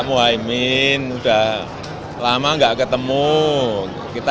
sudah lama enggak ketemu kita